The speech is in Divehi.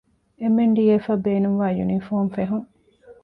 އެމް.އެން.ޑީ.އެފްއަށް ބޭނުންވާ ޔުނީފޯމު ފެހުން